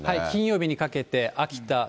金曜日にかけて、秋田、